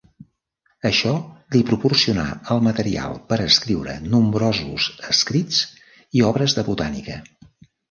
Això li proporcionà el material per escriure nombrosos escrits i obres de botànica.